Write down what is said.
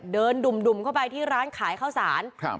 เดินดุ่มเข้าไปที่ร้านขายเคราะห์สาร